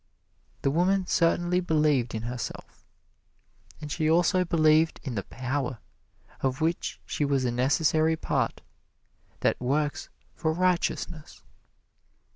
The woman certainly believed in herself, and she also believed in the Power, of which she was a necessary part, that works for righteousness.